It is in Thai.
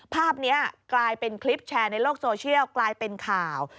ภาพนี้กลายเป็นคลิปแชร์ในโลกโซเชียลกลายเป็นข่าว